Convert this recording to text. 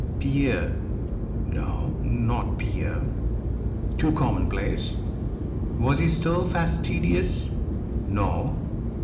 Pierre no, not Pierre; too common place! Was he still fastidious? No.